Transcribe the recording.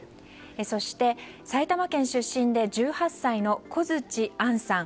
そして、埼玉県出身で１８歳の小槌杏さん。